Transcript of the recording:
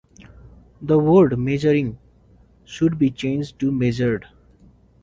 The word "measuring" should be changed to "measured".